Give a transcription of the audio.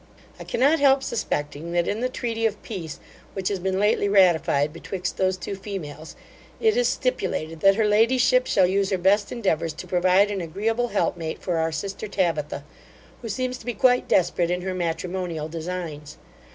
I cannot help suspecting, that in the treaty of peace, which has been lately ratified betwixt those two females, it is stipulated, that her ladyship shall use her best endeavours to provide an agreeable help mate for our sister Tabitha, who seems to be quite desperate in her matrimonial designs.